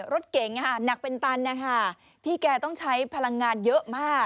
รถเก๋งหนักเป็นตันนะคะพี่แกต้องใช้พลังงานเยอะมาก